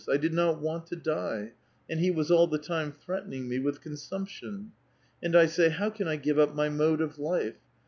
I did not want to die, and he was all the time threatening me with consumption. And I say, 'How can I K^ve up my mode of life?